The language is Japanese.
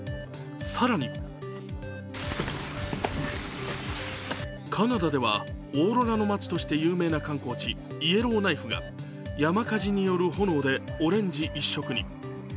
更にカナダでは、オーロラの街として有名な観光地イエローナイフが山火事による炎でオレンジ一色に。